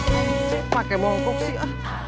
siapa yang pakai bongkok sih